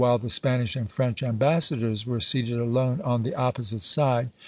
while the Spanish and French ambassadors were seated alone on the opposite side.